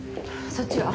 そっちは？